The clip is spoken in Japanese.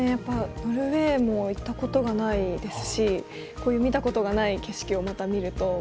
ノルウェーも行ったことがないですしこういう見たことがない景色をまた見るとまた行きたくなっちゃうので。